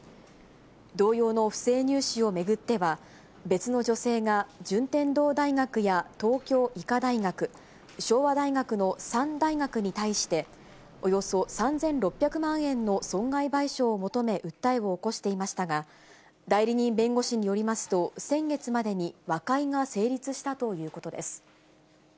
同様の不正入試を巡っては、別の女性が順天堂大学や東京医科大学、昭和大学の３大学に対して、およそ３６００万円の損害賠償を求め訴えを起こしていましたが、代理人弁護士によりますと、先月までに和解が成立したということです。